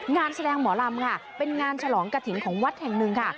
งานแสดงหมอลำค่ะเป็นงานฉลองกระถิ่นของวัดแห่งหนึ่งค่ะ